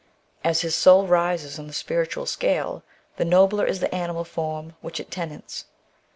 As his soul rises in the spiritual scale, the nobler is the animal form which it tenants.